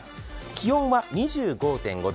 気温は２５．５度。